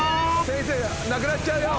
先生なくなっちゃうよ。